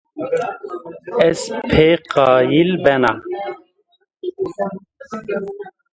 Ez pê qayîl bena